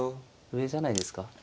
上じゃないですか。